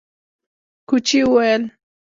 کوچي وويل: